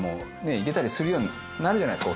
行けたりするようになるじゃないですか